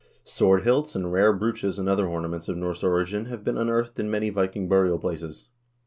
Sword hilts and rare brooches and other ornaments of Norse origin have been unearthed in many Viking burial places.